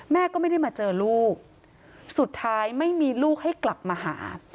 แม่ก็ไม่ได้มาเจอลูกสุดท้ายไม่มีลูกให้กลับมาหา